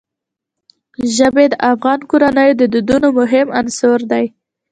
ژبې د افغان کورنیو د دودونو مهم عنصر دی.